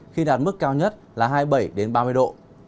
khi đạt mức cao nhất là hai mươi bảy ba mươi độ